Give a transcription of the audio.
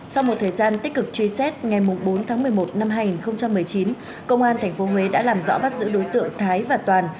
sau một thời gian tích cực truy xét ngày bốn tháng một mươi một năm hai nghìn một mươi chín công an tp huế đã làm rõ bắt giữ đối tượng thái và toàn